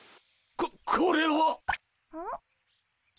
ここれは。